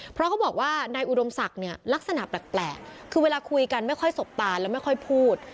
เพราะเขาบอกว่านายอุดมศักดิ์เนี่ยลักษณะแปลกคือเวลาคุยกันไม่ค่อยสบตาแล้วไม่ค่อยพูด